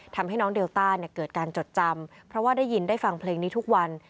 ทำให้น้องเดลต้าเกิดการจดจำเพราะว่าได้ยินได้ฟังเพลงนี้ทุกวัน